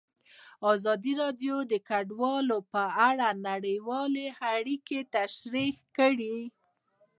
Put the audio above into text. ازادي راډیو د کډوال په اړه نړیوالې اړیکې تشریح کړي.